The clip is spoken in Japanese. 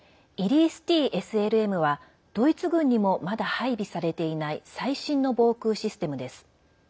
ＩＲＩＳ‐ＴＳＬＭはドイツ軍にもまだ配備されていない最新の防空システムです。